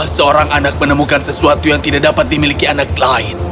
seorang anak menemukan sesuatu yang tidak dapat dimiliki anak lain